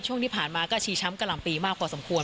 ช่วงที่ผ่านมาก็ชีช้ำกะหล่ำปีมากพอสมควร